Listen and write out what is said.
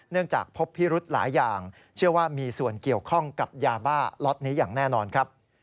จากพบพิรุธหลายอย่างเชื่อว่ามีส่วนเกี่ยวข้องกับยาบ้าล็อตนี้อย่างแน่นอนครับ